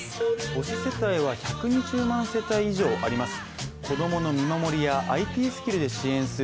母子世帯は１２０万世帯以上あります。